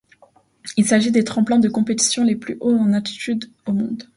Il s'agit des tremplins de compétition les plus hauts en altitude au monde.